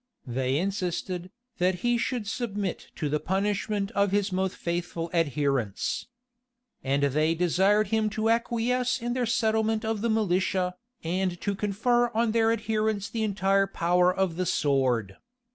They insisted, that he should submit to the punishment of his most faithful adherents. And they desired him to acquiesce in their settlement of the militia, and to confer on their adherents the entire power of the sword.